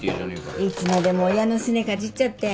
いつまでも親のすねかじっちゃって。